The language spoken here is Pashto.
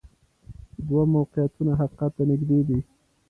دوه موقعیتونه حقیقت ته نږدې دي.